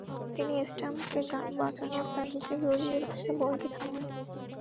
তিনি স্ট্যাম্পকে বাঁচানোর তাগিদে গড়িয়ে আসা বলকে থামান।